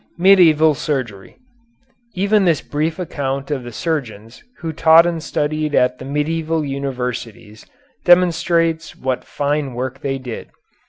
MEDIEVAL SURGERY Even this brief account of the surgeons who taught and studied at the medieval universities demonstrates what fine work they did.